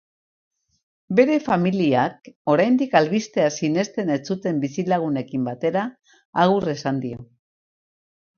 Bere familiak oraindik albistea sinesten ez zuten bizilagunekin batera agur esan dio.